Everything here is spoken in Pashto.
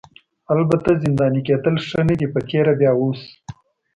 البته زنداني کیدل ښه نه دي په تېره بیا اوس.